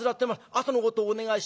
あとのことお願いします」。